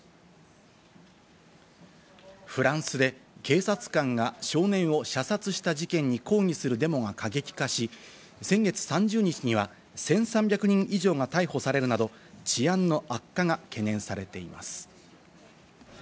フランスで警察官が少年を射殺した事件に抗議するデモが過激化し、先月３０日には１３００人以上が逮捕されるなど、治安の悪化が懸念されています。